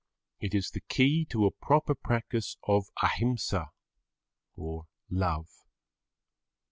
It is the key to a proper practice of Ahimsa or love.